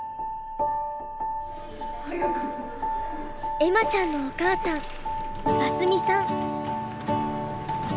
恵麻ちゃんのお母さん眞澄さん。